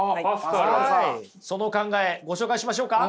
その考えご紹介しましょうか？